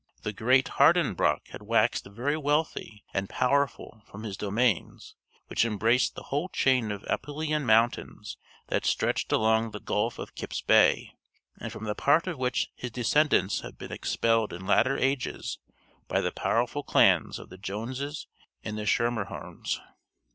The great Harden Broeck had waxed very wealthy and powerful from his domains, which embraced the whole chain of Apulean mountains that stretched along the gulf of Kip's Bay, and from part of which his descendants have been expelled in latter ages by the powerful clans of the Joneses and the Schermerhornes.